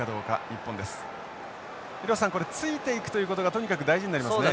廣瀬さんついていくということがとにかく大事になりますね。